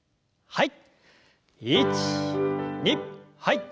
はい。